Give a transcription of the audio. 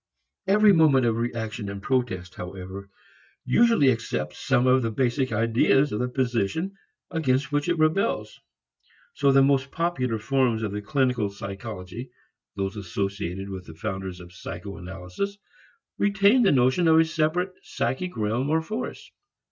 Every moment of reaction and protest, however, usually accepts some of the basic ideas of the position against which it rebels. So the most popular forms of the clinical psychology, those associated with the founders of psycho analysis, retain the notion of a separate psychic realm or force.